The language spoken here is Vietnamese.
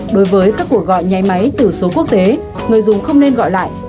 đối với các cuộc gọi nháy máy từ số quốc tế người dùng không nên gọi lại